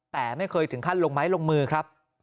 แต่ไม่เคยถึงขั้นลงไม้ลงมือครับ